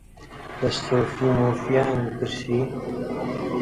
لە سۆفی و مۆفیانم پرسی: